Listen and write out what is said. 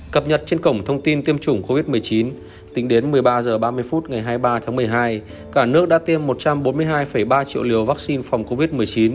cập nhật trên cổng thông tin tiêm chủng covid một mươi chín tính đến một mươi ba h ba mươi phút ngày hai mươi ba tháng một mươi hai cả nước đã tiêm một trăm bốn mươi hai ba triệu liều vaccine phòng covid một mươi chín